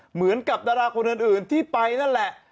เหมือนกับดาราคนอื่นที่ไปนั่นแหละ